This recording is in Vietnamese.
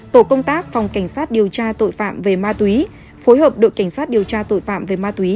tổ công tác phòng cảnh sát điều tra tội phạm về ma túy phối hợp đội cảnh sát điều tra tội phạm về ma túy